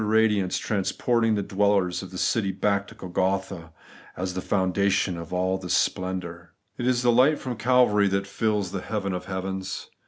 radiance transporting the dwellers of the city back to Golgotha, as the fonntainhead of all this splendour. It is light from Calvary that fills the heaven of heavens.